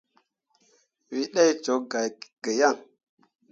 Wǝ ɗee cok gah ki yan.